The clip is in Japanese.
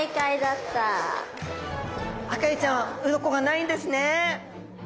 アカエイちゃんは鱗がないんですね。